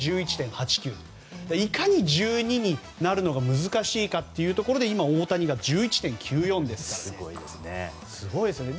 いかに１２になるのが難しいかというところで今、大谷が１１．９４ですからすごいですよね。